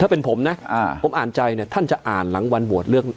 ถ้าเป็นผมนะผมอ่านใจเนี่ยท่านจะอ่านหลังวันโหวตเลือก